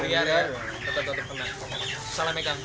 walaupun ini bukan lele pria tetap tetap tenang